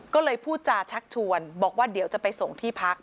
ก็เลยพูดจาชักชวนบอกว่าเดี๋ยวจะไปส่งที่พัก